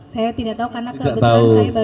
saya tidak tahu karena kebetulan saya baru